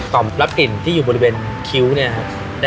รับกลิ่นที่อยู่บริเวณคิ้วเนี่ยครับ